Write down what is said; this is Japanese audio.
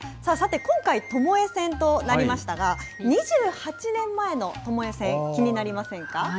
さて今回、ともえ戦となりましたが、２８年前のともえ戦、気になりませんか。